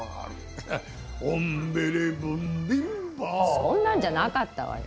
そんなんじゃなかったわよ。